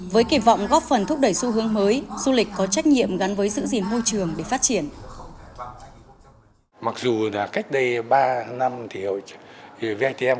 với kỳ vọng góp phần thúc đẩy xu hướng mới du lịch có trách nhiệm gắn với giữ gìn môi trường để phát triển